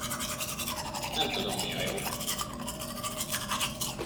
Nem tudom, mi a jó.